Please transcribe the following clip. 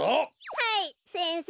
はい先生。